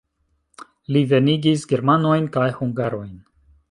Li venigis germanojn kaj hungarojn.